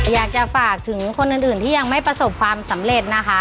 อยากจะฝากถึงคนอื่นที่ยังไม่ประสบความสำเร็จนะคะ